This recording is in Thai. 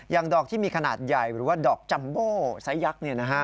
ดอกที่มีขนาดใหญ่หรือว่าดอกจัมโบไซสยักษ์